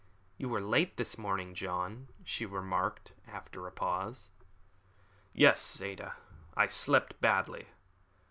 "You were late this morning, John," she remarked, after a pause. "Yes, Ada; I slept badly.